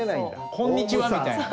「こんにちは」みたいなね。